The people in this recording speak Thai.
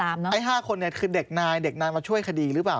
ไอ้๕คนคือเด็กนายเด็กนายมาช่วยคดีหรือเปล่า